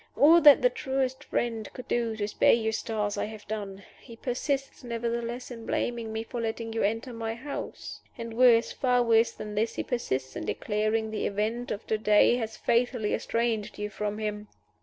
All that the truest friend could do to spare Eustace I have done. He persists, nevertheless, in blaming me for letting you enter my house. And worse, far worse than this, he persists in declaring the event of to day has fatally estranged you from him.